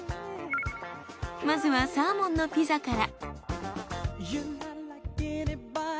まずはサーモンのピザから。